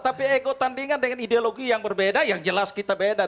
tapi ego tandingan dengan ideologi yang berbeda yang jelas kita beda